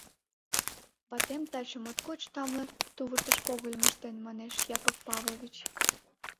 Ватем таче моткоч тамле тувыртыш когыльым ыштен, — манеш Яков Павлович.